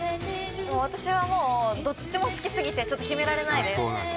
私はもうどっちも好きすぎてちょっと決められないですあっ